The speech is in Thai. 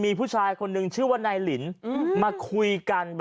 มีผู้ชายนายลินมาคุยกัน